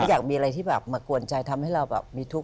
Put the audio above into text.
อยากมีอะไรที่แบบมากวนใจทำให้เราแบบมีทุกข